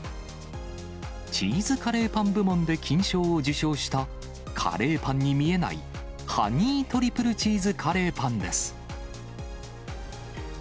チーズカレーパン部門で金賞を受賞した、カレーパンに見えない、ハニートリプルチーズカレーパンです。